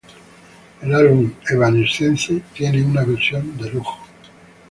El álbum "Evanescence" tiene una versión "De Lujo".